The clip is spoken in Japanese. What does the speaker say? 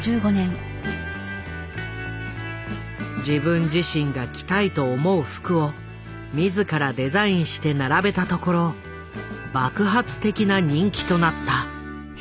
自分自身が着たいと思う服を自らデザインして並べたところ爆発的な人気となった。